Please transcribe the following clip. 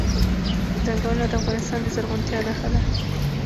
ځنګلونه د افغانستان د زرغونتیا نښه ده.